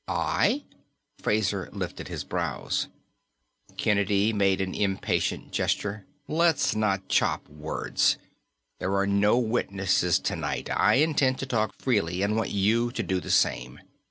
"I?" Fraser lifted his brows. Kennedy made an impatient gesture. "Let's not chop words. There are no witnesses tonight. I intend to talk freely, and want you to do the same.